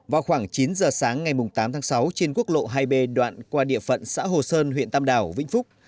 vào khoảng chín giờ sáng ngày tám tháng sáu trên quốc lộ hai b đoạn qua địa phận xã hồ sơn huyện tam đảo vĩnh phúc